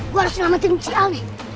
gua harus selamatkan si al nih